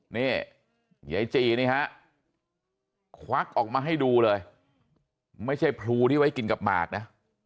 นี่ยายจีนี่ฮะควักออกมาให้ดูเลยไม่ใช่พลูที่ไว้กินกับหมากนะ